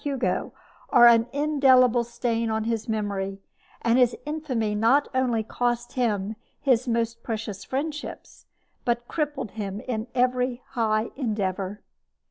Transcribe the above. Hugo are an indelible stain on his memory, and his infamy not only cost him his most precious friendships, but crippled him in every high endeavor.